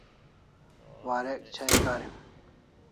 Warek chai karin